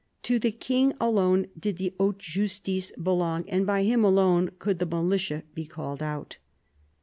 To the king alone did the " haute justice " belong, and by him alone could the militia be called out.